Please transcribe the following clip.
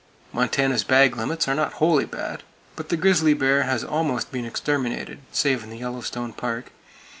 Montana's bag limits are not wholly bad; but the grizzly bear has almost been exterminated, save in the Yellowstone Park.